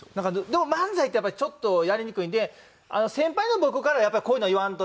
でも漫才ってやっぱりちょっとやりにくいんで先輩の僕からこういうの言わんとダメかなと思って。